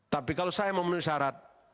tapi kalau saya memenuhi syarat